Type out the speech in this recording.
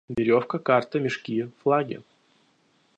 Веревка, карта, мешки, флаги.